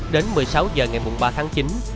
đến một mươi sáu h ngày ba tháng chín